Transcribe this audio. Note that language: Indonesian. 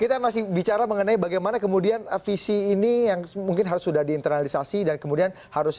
kita masih bicara mengenai bagaimana kemudian visi ini yang mungkin harus sudah diinternalisasi dan kemudian harusnya